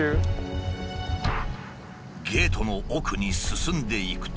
ゲートの奥に進んでいくと。